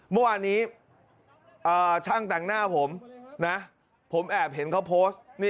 เมื่อวานนี้ช่างแต่งหน้าผมนะผมแอบเห็นเขาโพสต์